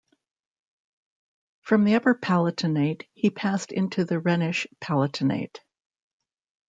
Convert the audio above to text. From the Upper Palatinate, he passed into the Rhenish Palatinate.